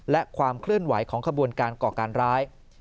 และความเคลื่อนไหวของขบวนการก่อการร้าย